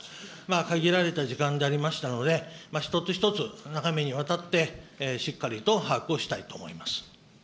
限られた時間でありましたので、一つ一つ中身にわたってしっかりと把握をしたいと思います。